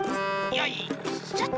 よいしょ！